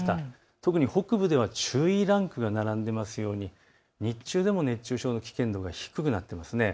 特に北部では注意ランクが並んでいますように日中でも熱中症の危険度が低くなっています。